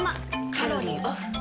カロリーオフ。